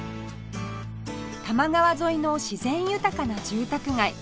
多摩川沿いの自然豊かな住宅街